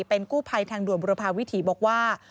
เป็นกู้ภัยทางด่วนบุรพาวิถีบอกว่า